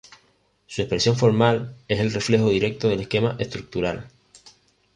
Su expresión formal es el reflejo directo del esquema estructural.